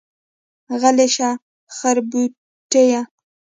غلی شه خربوټيه.